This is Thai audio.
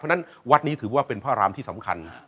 เพราะฉะนั้นวัดนี้ถือว่าเป็นพระรามที่สำคัญ